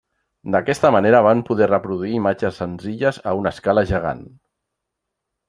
D’aquesta manera, van poder reproduir imatges senzilles a una escala gegant.